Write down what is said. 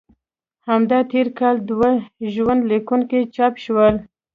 همدا تېر کال دوه ژوند لیکونه چاپ شول.